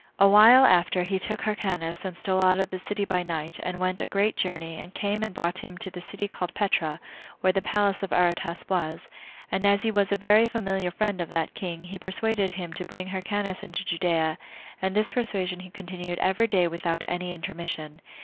A while afterward he took Hyrcanus, and stole out of the city by night, and went a great journey, and came and brought him to the city called Petra, where the palace of Aretas was; and as he was a very familiar friend of that king, he persuaded him to bring back Hyrcanus into Judea, and this persuasion he continued every day without any intermission.